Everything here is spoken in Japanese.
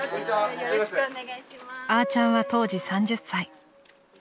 ［あーちゃんは当時３０歳］